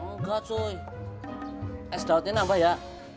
nggak coy es daudnya nambah ya